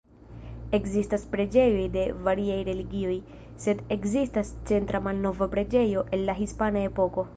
Ekzistas preĝejoj de variaj religioj, sed ekzistas centra malnova preĝejo el la Hispana Epoko.